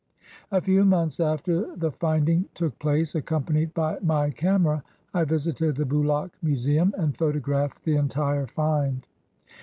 A few months after the finding took place, accompanied by my camera I visited the Bulaq Museum and photographed the entire "find."